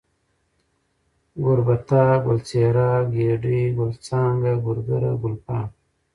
گوربته ، گل څېره ، گېډۍ ، گل څانگه ، گورگره ، گلپاڼه